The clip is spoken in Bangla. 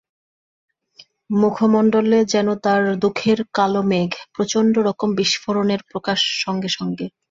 মুখমণ্ডলে যেন তাঁর দুঃখের কালো মেঘ, প্রচণ্ড রকম বিস্ফোরণের প্রকাশ সঙ্গে সঙ্গে।